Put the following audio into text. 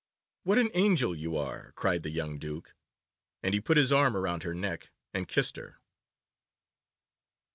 'What an angel you are!' cried the young Duke, and he put his arm round her neck and kissed her.